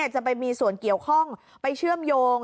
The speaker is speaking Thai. จะไปมีส่วนเกี่ยวข้องไปเชื่อมโยง